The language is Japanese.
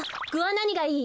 なにがいい？